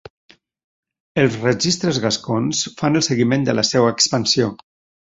Els "registres gascons" fan el seguiment de la seva expansió.